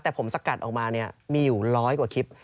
แต่ผมสกัดออกมามีอยู่ร้อยกว่าคลิป